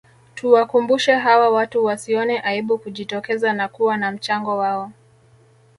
Tuwakumbushe hawa watu wasione aibu kujitokeza na kuwa na mchango wao